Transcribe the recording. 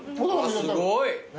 すごい！